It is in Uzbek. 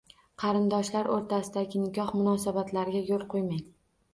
Qarindoshlar o‘rtasidagi nikoh munosabatlariga yo‘l qo‘ymang.